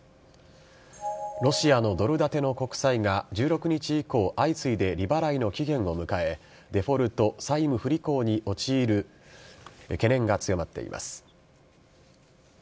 ロシアのドル建ての国債が、１６日以降、相次いで利払いの期限を迎え、デフォルト・債務不履行に陥る懸念が強まっています。